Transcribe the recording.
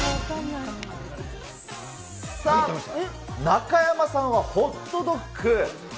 中山さんはホットドッグ。